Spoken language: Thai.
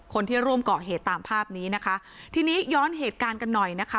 คนที่ร่วมเกาะเหตุตามภาพนี้นะคะทีนี้ย้อนเหตุการณ์กันหน่อยนะคะ